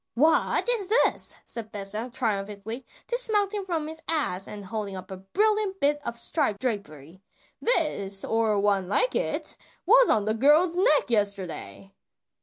"What is this?" said Besa triumphantly, dismounting from his ass and holding up a brilliant bit of striped drapery; "this, or one like it, was on the girl's neck yesterday."